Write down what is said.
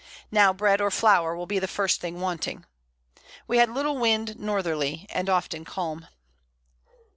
Now Bread or Flower will be the first thing wanting. We had little Wind Northerly, and often calm.